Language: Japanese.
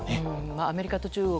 アメリカと中国